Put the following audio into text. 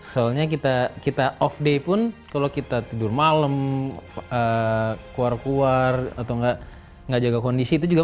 soalnya kita off day pun kalo kita tidur malem keluar keluar atau gak jaga kondisi itu juga mempengaruhi ke besoknya kita mau latihan